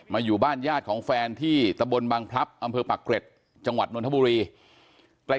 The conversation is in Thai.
อยู่บ้านญาติของแฟนที่ตะบนบางพลับอำเภอปักเกร็ดจังหวัดนทบุรีใกล้